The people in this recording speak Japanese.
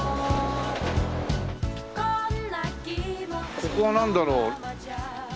ここはなんだろう？